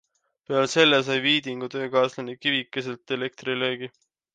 Peale selle sai Viidingu töökaaslane kivikeselt elektrilöögi.